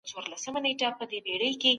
زراعت ته وده ورکړو.